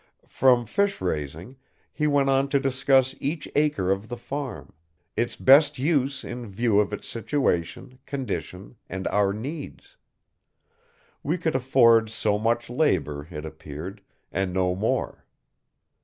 From fish raising, he went on to discuss each acre of the farm; its best use in view of its situation, condition, and our needs. We could afford so much labor, it appeared, and no more.